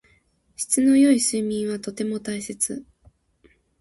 質の良い睡眠はとても大切。